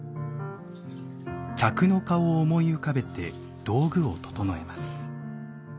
客の顔を思い浮かべて道具を整えます。